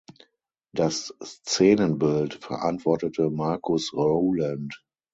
Das Szenenbild verantwortete Marcus Rowland.